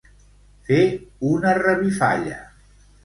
Fer una revifalla.